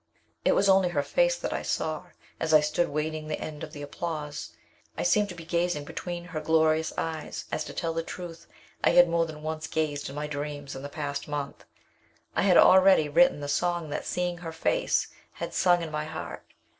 "It was only her face that I saw, as I stood waiting the end of the applause. I seemed to be gazing between her glorious eyes, as to tell the truth, I had more than once gazed in my dreams in the past month. I had already written the song that seeing her face had sung in my heart.